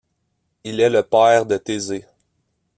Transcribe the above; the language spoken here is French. Il est le père de Thésée.